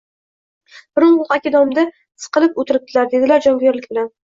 Pirimqul aka domda siqilib o`tiribdilar, dedilar jonkuyarlik bilan